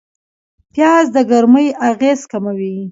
پیاز د ګرمۍ اغېز کموي